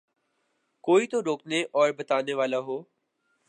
کوئی تو روکنے اور بتانے والا ہو۔